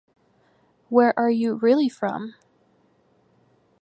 Where Are You Really From?